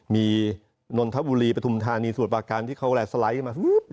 มีนนทบุรีประถุมฐานีสวัสดิ์ประการที่เขากำลังสไลด์มา